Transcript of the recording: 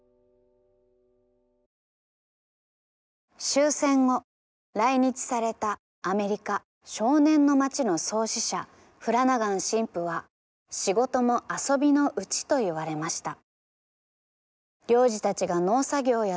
「終戦後来日されたアメリカ少年の町の創始者フラナガン神父は『仕事も遊びのうち』と言われました」。